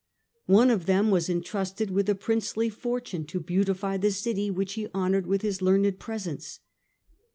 One of them was intrusted with a princely fortune to beautify the city which he honoured with his learned presence.